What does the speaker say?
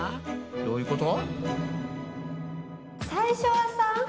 どういうこと？